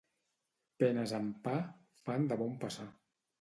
Penes amb pa, fan de bon passar.